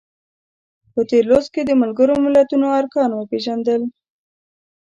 په تېر لوست کې د ملګرو ملتونو ارکان وپیژندل.